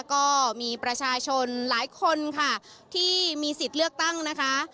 ก็มีประชาชนหลายคนค่ะที่มีสิทธิ์เลือกตั้งนะคะ